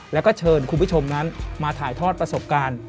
แล้วก็เชิญคุณผู้ชมนั้นมาถ่ายทอดประสบการณ์